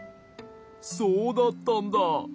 そうだったんだ。